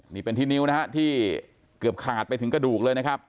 นี่เป็นที่นิ้วนะฮะที่เกือบขาดไปถึงกระดูกเลยนะครับ